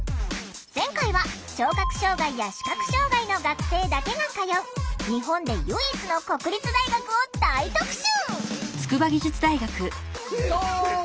前回は聴覚障害や視覚障害の学生だけが通う日本で唯一の国立大学を大特集！